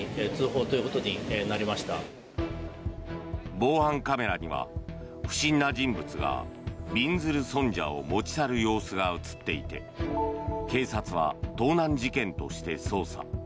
防犯カメラには不審な人物がびんずる尊者を持ち去る様子が映っていて警察は盗難事件として捜査。